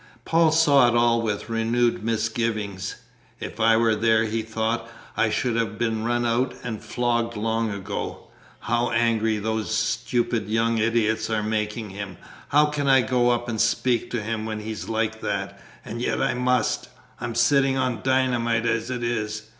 Paul saw it all with renewed misgiving. "If I were there," he thought, "I should have been run out and flogged long ago! How angry those stupid young idiots are making him! How can I go up and speak to him when he's like that? And yet I must. I'm sitting on dynamite as it is.